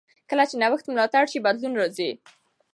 کله چې نوښت ملاتړ شي، بدلون راځي.